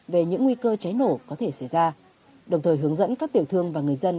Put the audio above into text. về những nguy cơ cháy nổ có thể xảy ra đồng thời hướng dẫn các tiểu thương và người dân